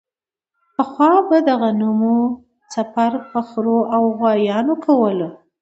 پخوا به یې د غنمو څپر په خرو او غوایانو کولو.